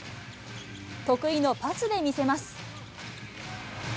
得意のパスで見せます。